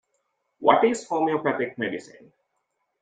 What is homeopathic medicine?